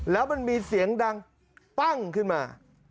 แล้วมันมีเสียงดังปั้งขึ้นมา